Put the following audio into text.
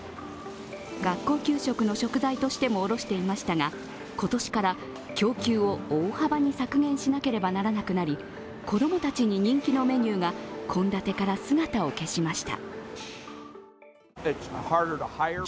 学校給食の食材としても卸していましたが、今年から供給を大幅に削減しなければならなくなり、子供たちに人気のメニューが献立から姿を消しました。